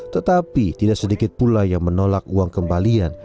tetapi tidak sedikit pula yang menolak uang kembalian